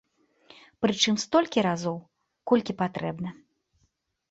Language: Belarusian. Прычым столькі разоў, колькі патрэбна.